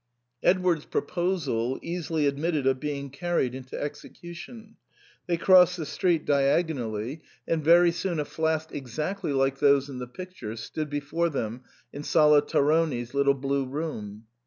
Edward's proposal easily admitted of being carried into execution. They crossed the street diag 34 THE PERM ATA. onally, and very soon a flask exactly like those in the picture stood before them in Sala Tarone's * little blue room.